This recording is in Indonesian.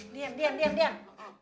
dian dian dian